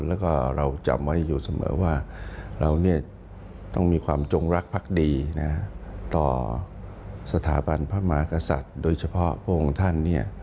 แล้วก็เราจำไว้อยู่เสมอว่าเราต้องมีความจงรักพักดีต่อสถาบันพระมากษัตริย์โดยเฉพาะพระองค์ท่าน